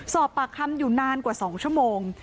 สอบปากคำอยู่นานกว่า๒ชั่วโมง